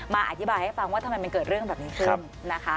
อธิบายให้ฟังว่าทำไมมันเกิดเรื่องแบบนี้ขึ้นนะคะ